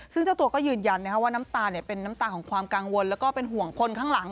ซึ่งเจ้าตัวก็ยืนยันว่าน้ำตาลเป็นน้ำตาของความกังวลแล้วก็เป็นห่วงคนข้างหลัง